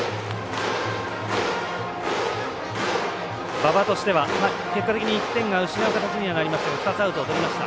馬場としては結果的に１点を失う形にはなりましたが結果２つアウトをとりました。